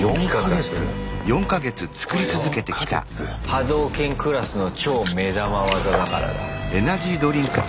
波動拳クラスの超目玉技だからだ。